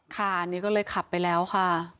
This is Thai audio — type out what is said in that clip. ค่ะนี่ก็เลยขับไปแล้วค่ะ